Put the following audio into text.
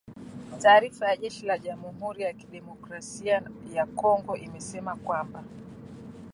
Taarifa ya jeshi la Jamhuri ya kidemokrasia ya Kongo imesema kwamba